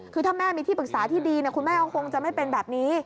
คือถ้าแม่มีที่ปรึกษาที่ดีคุณแม่ก็คงจะไม่เป็นแบบนี้